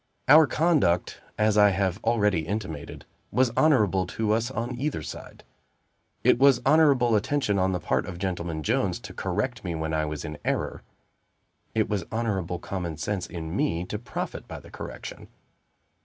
Our conduct, as I have already intimated, was honorable to us, on either side. It was honorable attention on the part of Gentleman Jones to correct me when I was in error; it was honorable common sense in me to profit by the correction.